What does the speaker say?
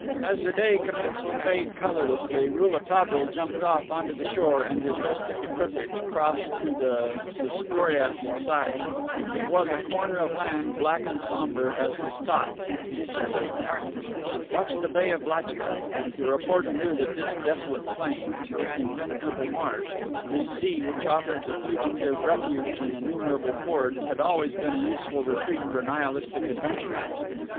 As the day commenced to fade colorlessly, Rouletabille jumped off onto the shore and his rustic equipage crossed to the Sestroriesk side. It was a corner of land black and somber as his thoughts that he surveyed now. "Watch the Bay of Lachtka!" The reporter knew that this desolate plain, this impenetrable marsh, this sea which offered the fugitive refuge in innumerable fords, had always been a useful retreat for Nihilistic adventurers.